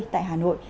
tại hà nội